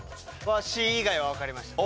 Ｃ以外はわかりました。